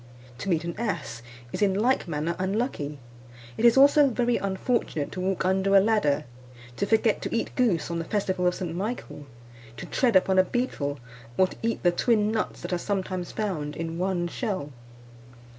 To meet an ass, is in like manner unlucky. It is also very unfortunate to walk under a ladder; to forget to eat goose on the festival of St. Michael; to tread upon a beetle, or to eat the twin nuts that are sometimes found in one shell.